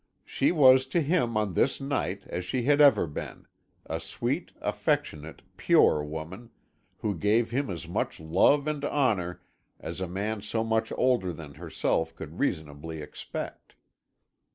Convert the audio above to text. She was to him on this night as she had ever been, a sweet, affectionate, pure woman, who gave him as much love and honour as a man so much older than herself could reasonably expect.